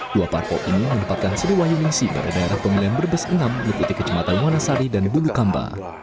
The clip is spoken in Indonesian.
dua partai ini menempatkan sriwayunisi pada daerah pemilihan berbes enam di kutik kecematan wanasari dan bulukamba